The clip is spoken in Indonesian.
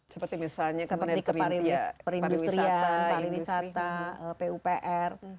seperti misalnya perindustrian pariwisata pupr